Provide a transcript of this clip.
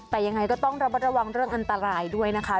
แต่ยังไงก็ต้องระมัดระวังเรื่องอันตรายด้วยนะคะ